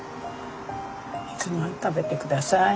いつもの食べて下さい。